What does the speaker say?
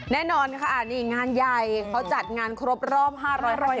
แน่นอนค่ะนี่งานใหญ่เขาจัดงานครบรอบ๕๐๐ปี